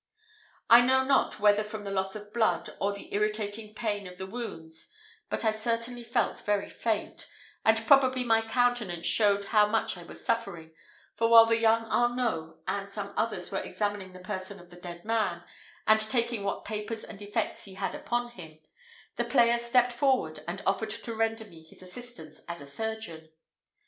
I know not whether from the loss of blood, or the irritating pain of the wounds, but I certainly felt very faint, and probably my countenance showed how much I was suffering, for while the young Arnault and some others were examining the person of the dead man, and taking what papers and effects he had upon him, the player stepped forward, and offered to render me his assistance as a surgeon.